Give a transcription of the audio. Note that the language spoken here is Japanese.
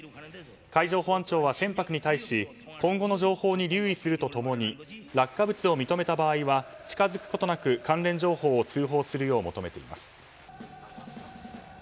海上保安庁は、船舶に対し今後の情報に留意すると共に落下物を認めた場合は近づくことなく関連情報を通報するよう求めています。